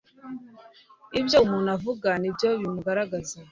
Ibyo umuntu avuga nibyo bimugaragaza